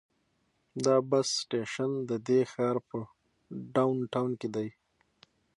دا بس سټیشن د دې ښار په ډاون ټاون کې دی.